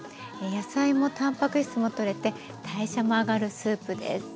野菜もたんぱく質もとれて代謝も上がるスープです。